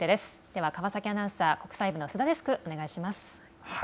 では川崎アナウンサー、国際部の須田デスク、お願いします。